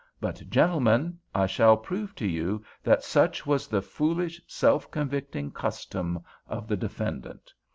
But, gentlemen, I shall prove to you that such was the foolish, self convicting custom of the defendant.